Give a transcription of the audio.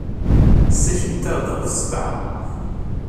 Ssakimt-aɣ-d ɣef ssebɛa.